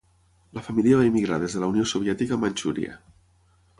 La família va emigrar des de la Unió Soviètica a Manxúria.